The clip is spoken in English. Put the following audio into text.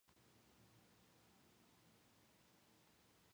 Wentworth is the county seat of Rockingham County.